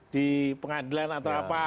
di pengadilan atau apa